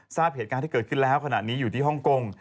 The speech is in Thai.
ทราบเหตุการณ์ที่เกิดขึ้นแล้วขณะนี้อยู่ที่ฮ่องกง